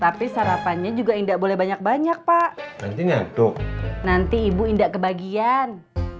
tapi sarapannya juga enggak boleh banyak banyak pak nantinya tuh nanti ibu indah kebagian